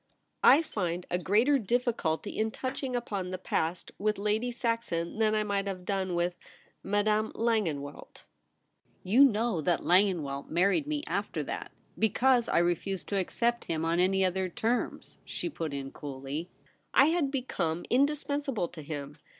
' I find a greater difficulty in touching upon the past with Lady Saxon than I might have done with — Madame Langenwelt.' * You know that Langenwelt married me after that — because I refused to accept him on any other terms/ she put in coolly. T had VOL. I. 4 50 THE REBEL ROSE. become indispensable to him.